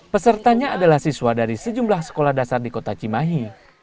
pesertanya adalah siswa dari sejumlah sekolah dasar di kota cimahi